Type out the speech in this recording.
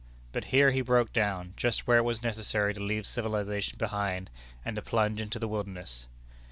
But here he broke down, just where it was necessary to leave civilization behind, and to plunge into the wilderness.